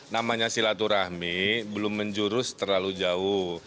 namanya silaturahmi belum menjurus terlalu jauh